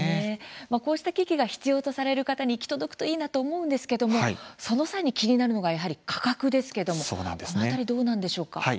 こうした機器が必要とされる方に行き届くといいと思うんですがその際に気になるのが価格ですけれどもその辺りどうなんでしょうか。